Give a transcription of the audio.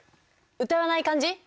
歌わない感じ？